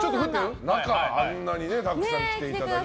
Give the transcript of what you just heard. あんなにたくさん来ていただいて。